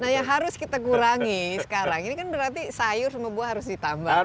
nah yang harus kita kurangi sekarang ini kan berarti sayur semua buah harus ditambah